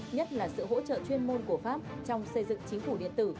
nhất là sự hỗ trợ chuyên môn của pháp trong xây dựng chính phủ điện tử